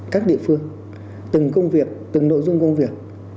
các địa phương từng công việc từng nội dung công việc